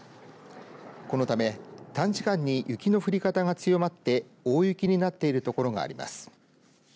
このため短時間に雪の降り方が強まって大雪になっている所があります。